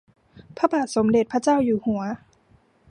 พระบาทสมเด้จพระเจ้าอยู่หัว